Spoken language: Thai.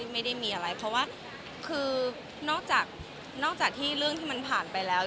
ไม่ได้มีอะไรเพราะว่าคือนอกจากนอกจากที่เรื่องที่มันผ่านไปแล้ว